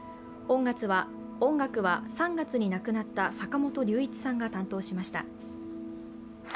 音楽は、３月に亡くなった坂本龍一さんが担当しました。